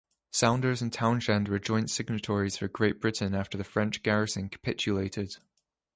Saunders and Towshend were joint signatories for Great Britain after the French garrison capitulated.